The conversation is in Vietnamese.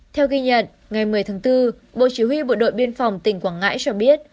theo ghi nhận ngày một mươi tháng bốn bộ chỉ huy bộ đội biên phòng tỉnh quảng ngãi cho biết